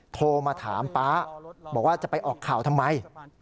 โทรมาถามป๊าบอกว่าจะไปออกข่าวทำไม